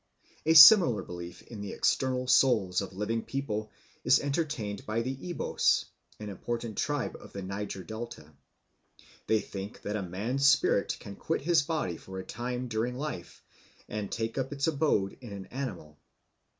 A similar belief in the external souls of living people is entertained by the Ibos, an important tribe of the Niger delta. They think that a man's spirit can quit his body for a time during life and take up its abode in an animal.